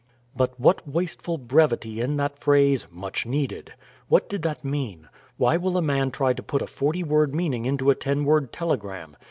But what wasteful brevity in that phrase, "much needed"! What did that mean? (Why will a man try to put a forty word meaning into a ten word telegram?)